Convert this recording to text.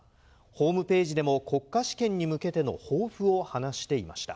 ホームページでも国家試験に向けての抱負を話していました。